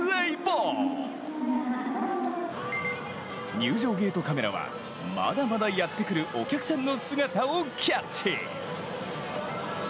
入場ゲートカメラはまだまだやってくるお客さんの姿をキャッチ。